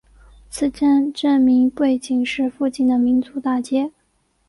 此站站名背景是附近的民族大街。